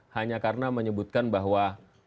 hanya karena menyebutkan bahwa